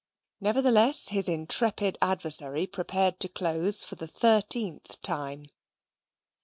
Nevertheless, his intrepid adversary prepared to close for the thirteenth time.